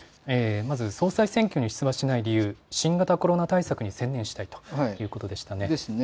総裁選挙に出馬しない理由、新型コロナ対策に専念したいということでした。